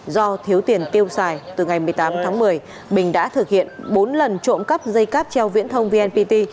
do thiếu tiền tiêu xài từ ngày một mươi tám tháng một mươi bình đã thực hiện bốn lần trộm cắp dây cáp treo viễn thông vnpt